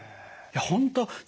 いや本当